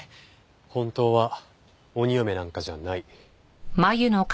本当は鬼嫁なんかじゃない。